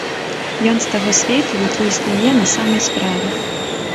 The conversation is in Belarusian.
Ён з таго свету, які існуе на самай справе.